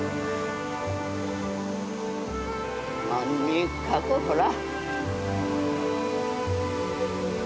とにかくほら。